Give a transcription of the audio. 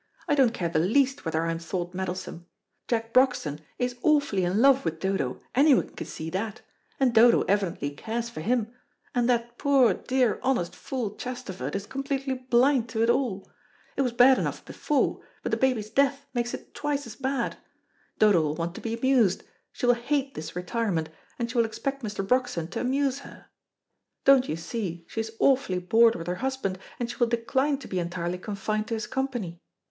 I don't care the least whether I am thought meddlesome. Jack Broxton is awfully in love with Dodo, anyone can see that, and Dodo evidently cares for him; and that poor, dear, honest fool Chesterford is completely blind to it all. It was bad enough before, but the baby's death makes it twice as bad. Dodo will want to be amused; she will hate this retirement, and she will expect Mr. Broxton to amuse her. Don't you see she is awfully bored with her husband, and she will decline to be entirely confined to his company.